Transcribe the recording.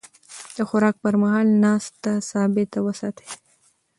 د خوراک پر مهال ناسته ثابته وساتئ.